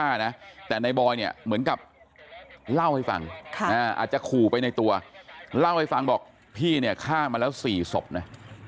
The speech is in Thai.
อาจจะขู่ไปในตัวเล่าให้ฟังบอกพี่เนี่ยฆ่ามาแล้ว๔ศพนะ